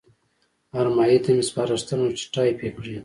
ارمایي ته مې سپارښتنه وکړه چې ټایپ یې کړي.